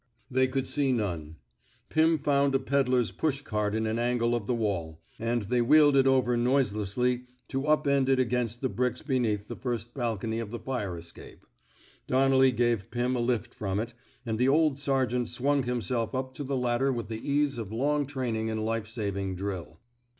" They could see none. Pim found a ped dler's push cart in an angle of the wall, and they wheeled it over noiselessly to up end it against the bricks beneath the first bal cony of the fire escape. Donnelly gave Pim a lift from it, and the old sergeant swung himself up to the ladder with the ease of long training in life saving drill.